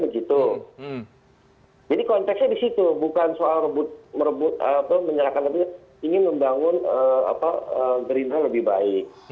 jadi konteksnya di situ bukan soal merebut atau menyalahkan tapi ingin membangun gerinda lebih baik